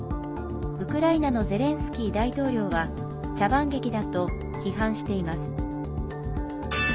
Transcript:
ウクライナのゼレンスキー大統領は茶番劇だと批判しています。